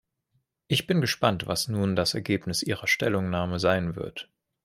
Ich bin gespannt, was nun das Ergebnis ihrer Stellungnahme sein wird.